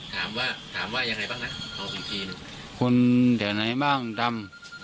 ถามว่ายังไงบ้างนะคุณเดี๋ยวไหนบ้างตาม